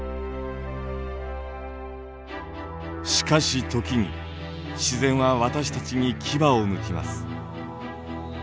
しかし時に自然は私たちに牙をむきます。